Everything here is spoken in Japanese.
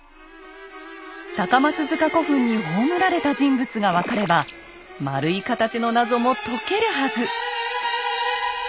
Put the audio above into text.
高松塚古墳に葬られた人物が分かれば円い形の謎も解けるはず。